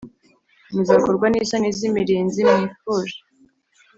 Muzakorwa n’isoni z’imirinzi mwifuje